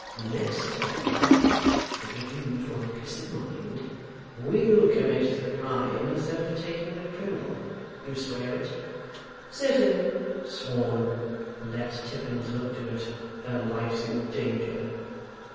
Next time (with a view to our peace of mind) we'll commit the crime, instead of taking the criminal. You swear it?' 'Certainly.' 'Sworn! Let Tippins look to it. Her life's in danger.